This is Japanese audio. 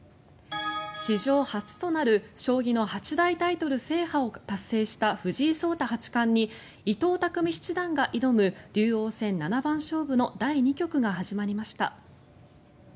史上初となる将棋の八大タイトル制覇を達成した藤井聡太八冠に伊藤匠七段が挑む竜王戦七番勝負の第２局が始まりました。